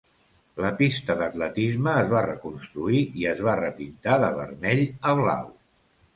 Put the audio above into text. La pista d'atletisme es va reconstruir i es va repintar de vermell a blau.